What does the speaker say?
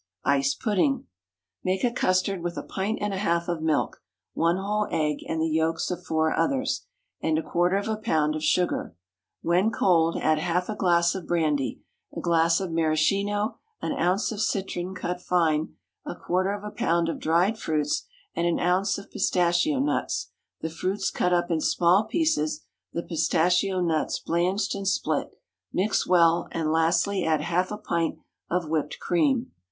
Ice Pudding. Make a custard with a pint and a half of milk, one whole egg and the yolks of four others, and a quarter of a pound of sugar; when cold, add half a glass of brandy, a glass of maraschino, an ounce of citron cut fine, a quarter of a pound of dried fruits, and an ounce of pistachio nuts, the fruits cut up in small pieces, the pistachio nuts blanched and split; mix well; and lastly add half a pint of whipped cream.